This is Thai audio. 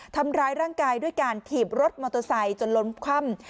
ทำร้ายร่างกายด้วยการถีบรถมอเตอร์ไซค์จนล้มคว่ำ